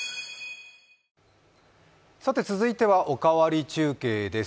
続いては、「おかわり中継」です。